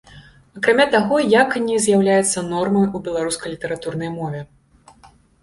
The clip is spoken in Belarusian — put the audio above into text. Акрамя таго, яканне з'яўляецца нормай у беларускай літаратурнай мове.